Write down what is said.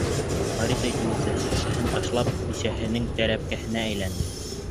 Харис әйтеүенсә, шешәне ташлап бисәһенең «трәпкә»һенә әйләнде.